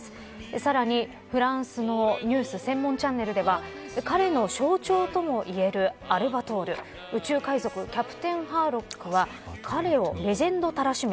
さらにフランスのニュース専門チャンネルでは彼の象徴ともいえるアルバトール宇宙海賊キャプテンハーロックは彼をレジェンドたらしめ